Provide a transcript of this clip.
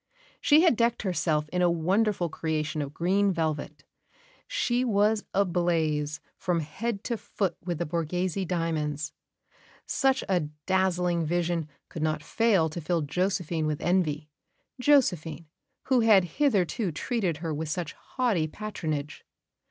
She had decked herself in a wonderful creation of green velvet; she was ablaze from head to foot with the Borghese diamonds. Such a dazzling vision could not fail to fill Josephine with envy Josephine, who had hitherto treated her with such haughty patronage.